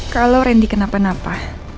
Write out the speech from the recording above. kalau randy kenapa napa